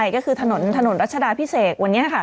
ก็คือถนนรัชดาพิเศษวันนี้ค่ะ